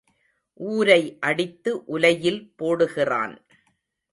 ஊரை அடித்து உலையில் போடுகிறான்.